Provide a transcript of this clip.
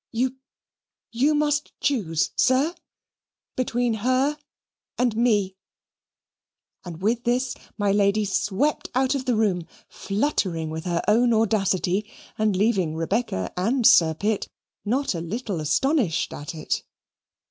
You you must choose, sir, between her and me"; and with this my Lady swept out of the room, fluttering with her own audacity, and leaving Rebecca and Sir Pitt not a little astonished at it.